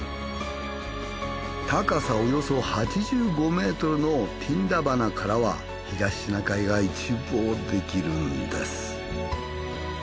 高さおよそ８５ｍのティンダバナからは東シナ海が一望できるんです。